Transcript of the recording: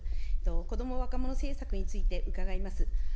子ども・若者政策について伺います。